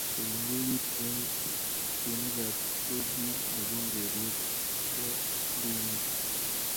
Kelen kegerin eng runigait ko kiy ne bo urerie kwangdonyu.